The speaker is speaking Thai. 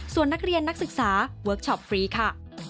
ส่วนนักเรียนนักศึกษาเวิร์คชอปฟรีค่ะ